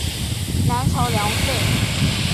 南朝梁废。